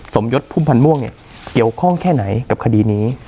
สมยศพุ่มพันธ์ม่วงเนี่ยเกี่ยวข้องแค่ไหนกับคดีนี้